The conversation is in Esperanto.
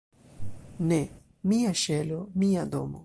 "Ne! Mia ŝelo! Mia domo!"